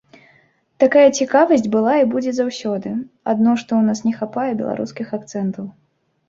Такая цікавасць была і будзе заўсёды, адно, што ў нас не хапае беларускіх акцэнтаў.